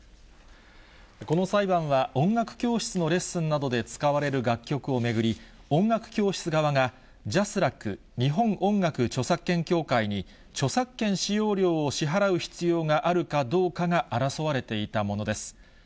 この裁判は、音楽教室のレッスンなどで使われる楽曲を巡り、音楽教室側がＪＡＳＲＡＣ・日本音楽著作権協会に、著作権使用料を支払う必要があるかどうかが争われていたものです。